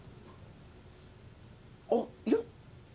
あっいや。